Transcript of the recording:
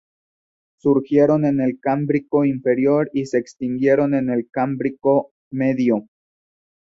Surgieron en el Cámbrico Inferior y se extinguieron en el Cámbrico Medio.